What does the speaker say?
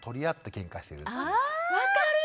分かる！